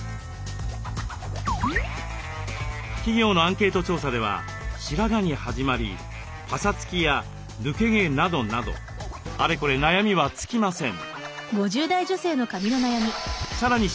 企業のアンケート調査では「白髪」に始まり「パサつき」や「抜け毛」などなどあれこれ悩みは尽きません。